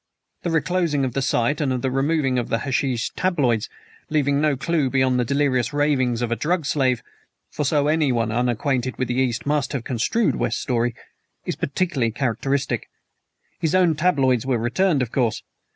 The reclosing of the safe and the removing of the hashish tabloids, leaving no clew beyond the delirious ravings of a drug slave for so anyone unacquainted with the East must have construed West's story is particularly characteristic. His own tabloids were returned, of course.